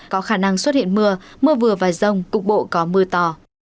có khả năng xuất hiện mưa mưa vừa và rông cục bộ có mưa to